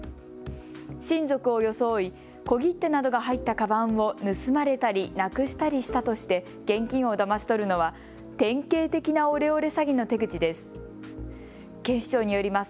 親族を装い小切手などが入ったかばんを盗まれたりなくしたりしたとして現金をだまし取るのは典型的なオレオレ詐欺の手口です。